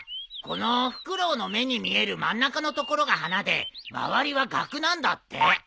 このフクロウの目に見える真ん中の所が花で周りはガクなんだって。